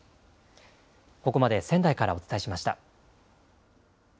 ここまで仙台からお伝えしました。